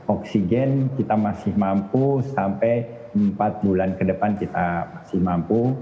oksigen kita masih mampu sampai empat bulan ke depan kita masih mampu